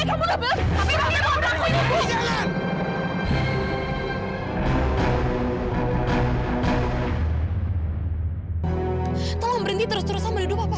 sampai jumpa di video selanjutnya